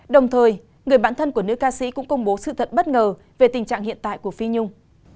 đồng thời người bạn thân của nữ ca sĩ cũng công bố sự thật bất ngờ về tình trạng hiện tại của phi nhung